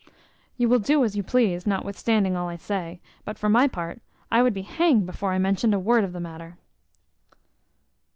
You will do as you please, notwithstanding all I say; but for my part, I would be hanged before I mentioned a word of the matter."